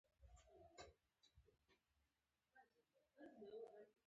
په دې کلي کې خلک نیک دي